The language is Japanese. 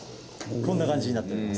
こんな感じになっております。